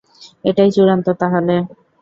এটাই চূড়ান্ত তাহলে।